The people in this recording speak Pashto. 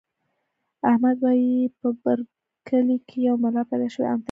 احمد وايي په بر کلي کې یو ملا پیدا شوی عنتر منتر کوي.